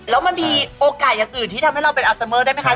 แล้วมันมีโอกาสอย่างอื่นที่ทำให้เราเป็นอัลไซเมอร์ได้ไหมคะ